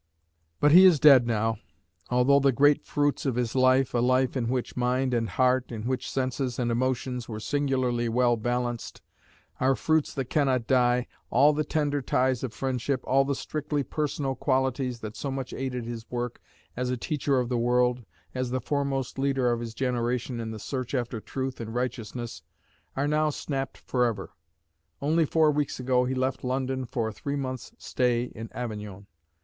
But he is dead now. Although the great fruits of his life a life in which mind and heart, in which senses and emotions, were singularly well balanced are fruits that cannot die, all the tender ties of friendship, all the strictly personal qualities that so much aided his work as a teacher of the world, as the foremost leader of his generation in the search after truth and righteousness, are now snapped forever. Only four weeks ago he left London for a three months' stay in Avignon.